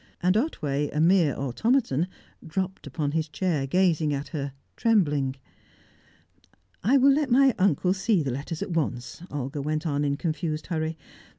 And Otway, a mere automaton, dropped upon his chair, gazing at her, trembling. "I will let my uncle see the letters at once," Olga went on, in confused hurry.